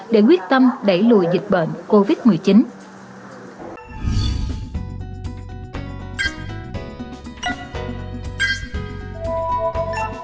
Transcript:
để quyết tâm đẩy lùi dịch bệnh covid một mươi chín